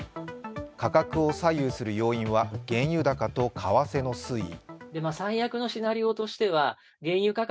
価格を左右する要因は原油高と為替の推移。